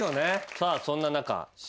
さあそんな中。